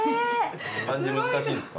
漢字難しいんですか？